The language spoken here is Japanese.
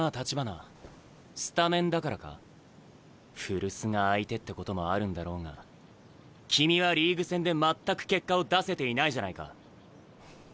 古巣が相手ってこともあるんだろうが君はリーグ戦で全く結果を出せていないじゃないか。